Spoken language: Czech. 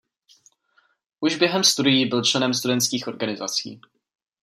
Už během studií byl členem studentských organizací.